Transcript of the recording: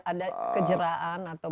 kenapa ada kejeraan atau